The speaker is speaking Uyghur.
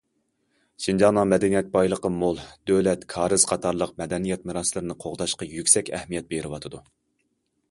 شىنجاڭنىڭ مەدەنىيەت بايلىقى مول، دۆلەت كارىز قاتارلىق مەدەنىيەت مىراسلىرىنى قوغداشقا يۈكسەك ئەھمىيەت بېرىۋاتىدۇ.